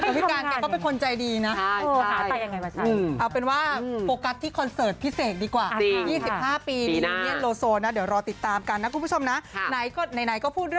อืมไม่ทำ